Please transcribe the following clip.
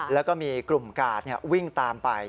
แล้วก็มีกลุ่มกาดวิ่งตามไป